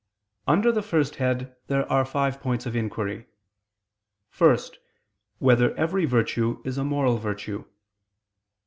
Under the first head there are five points of inquiry: (1) Whether every virtue is a moral virtue?